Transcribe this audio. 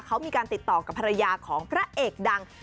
เขามีการติดต่อกับภรรยาของพระเอกดัง